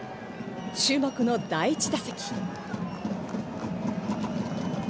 注目の第１打席。